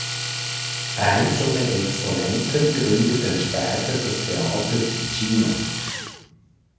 Einzelne Exponenten gründeten später das Theater Ticino.